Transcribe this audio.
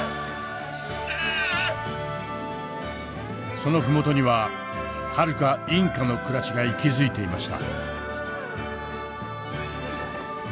その麓にははるかインカの暮らしが息づいていました。